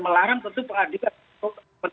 melarang tentu peradiban